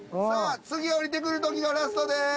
次下りてくる時がラストです。